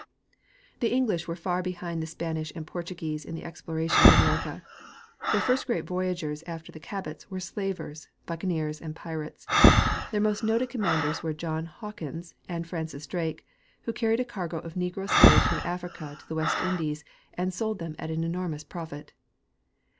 The English were far behind the Spanish and Portuguese in the exploration of America. Their first great voj^agers after the Cabots were slavers, buccaneers and pirates. Tlieir most noted commanders were John Hawkins and Francis Drake, Avho car ried a cargo of negro slaves from Africa to the West Indies and sold them at an enormous profit.